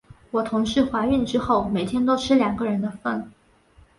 我同事怀孕之后，每天都吃两个人的份。